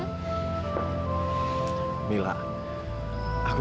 saya nyarakan aku